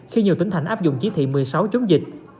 khi nhiều tỉnh thành áp dụng chỉ thị một mươi sáu chống dịch